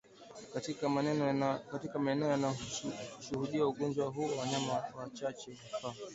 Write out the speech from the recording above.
Katika maeneo yanayoshuhudia ugonjwa huu wanyama wachache hufa